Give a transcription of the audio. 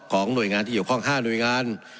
ของหน่วยงานที่อยู่ข้อง๕หน่วยงาน